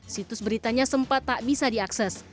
situs beritanya sempat tak bisa diakses